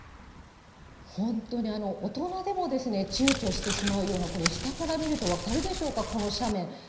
本当に、大人でもちゅうちょしてしまうような、これ、下から見ると分かるでしょうか、この斜面。